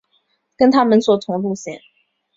跟他们坐同路线